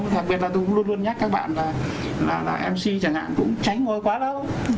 thật ra tôi luôn luôn nhắc các bạn là mc chẳng hạn cũng tránh ngồi quá lâu